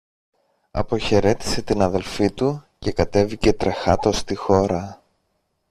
Αποχαιρέτησε την αδελφή του και κατέβηκε τρεχάτος στη χώρα.